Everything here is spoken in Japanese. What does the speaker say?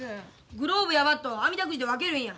グローブやバットをあみだくじで分けるんや。